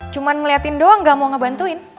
cuma ngeliatin doang gak mau ngebantuin